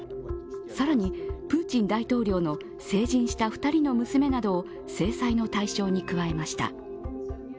更にプーチン大統領の成人した２人の娘などを制裁の対象に加えました。